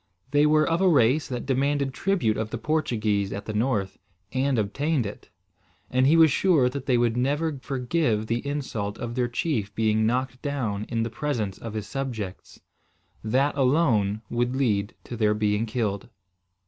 They were of a race that demanded tribute of the Portuguese at the north, and obtained it; and he was sure that they would never forgive the insult of their chief being knocked down in the presence of his subjects. That, alone, would lead to their being killed.